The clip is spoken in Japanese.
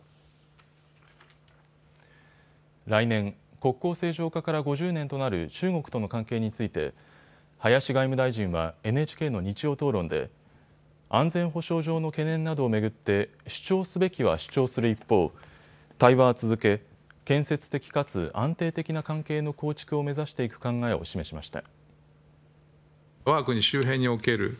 来年、国交正常化から５０年となる中国との関係について林外務大臣はＮＨＫの日曜討論で安全保障上の懸念などを巡って主張すべきは主張する一方、対話は続け、建設的かつ安定的な関係の構築を目指していく考えを示しました。